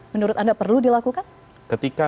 menurut anda perlu dilakukan ketika